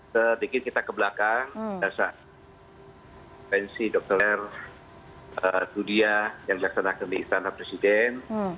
sedikit kita ke belakang berdasarkan pensi dokter sudia yang dilaksanakan di istana presiden